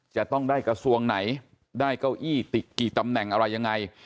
จะต้องได้กระทรวงไหนได้เก้าอี้ติดกี่ตำแหน่งอะไรยังไง